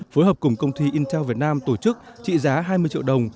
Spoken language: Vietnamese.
phối hợp cùng công ty intel việt nam tổ chức trị giá hai mươi triệu đồng